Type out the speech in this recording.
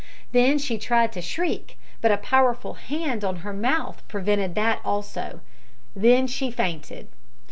Then she tried to shriek, but a powerful hand on her mouth prevented that also. Then she fainted.